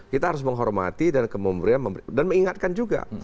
kita harus menghormati dan kemudian dan mengingatkan juga